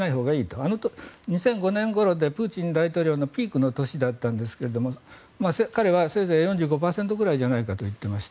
あの２００５年ごろはプーチン大統領のピークの年だったんですが彼はせいぜい４５％ぐらいじゃないかと言っていました。